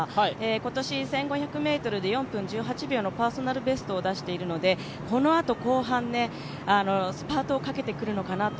今年１５００ｍで４分１８秒のパーソナルベストを出しているのでこのあと後半、スパートをかけてくるのかなと。